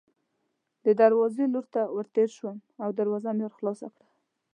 د دروازې لور ته ورتېر شوم او دروازه مې خلاصه کړه.